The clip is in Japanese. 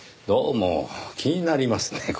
どうも気になりますね